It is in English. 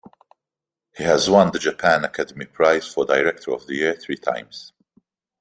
He has won the Japan Academy Prize for Director of the Year three times.